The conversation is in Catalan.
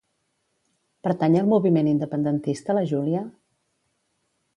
Pertany al moviment independentista la Julia?